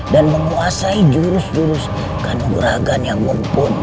dan menguasai jurus jurus kanuragan yang mumpuni